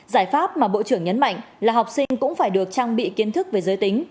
giải pháp mà bộ trưởng nhấn mạnh là học sinh cũng phải được trang bị kiến thức về giới tính